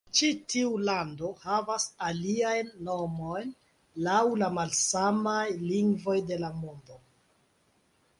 Ĉi tiu lando havas aliajn nomojn laŭ la malsamaj lingvoj de la mondo.